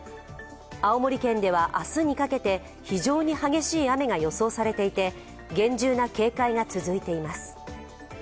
青森県では明日にかけて非常に激しい雨が予想されていて、厳重な警戒が続いています。